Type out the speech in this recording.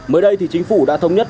mới đây thì chính phủ đã thống nhất